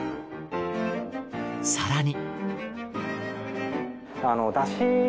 更に。